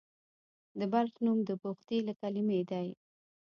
د بلخ نوم د بخدي له کلمې دی